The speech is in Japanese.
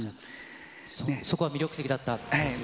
そこは魅力的だったんですね。